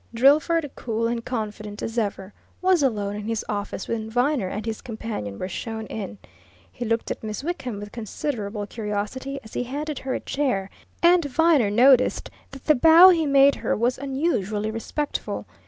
Drillford, cool and confident as ever, was alone in his office when Viner and his companion were shown in. He looked at Miss Wickham with considerable curiosity as he handed her a chair, and Viner noticed that the bow he made her was unusually respectful.